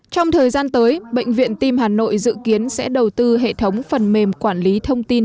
trong thời gian tới bệnh viện tim hà nội dự kiến sẽ đầu tư hệ thống phần mềm quản lý thông tin